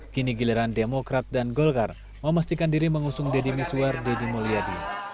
kini giliran demokrat dan golkar memastikan diri mengusung deddy miswar deddy mulyadi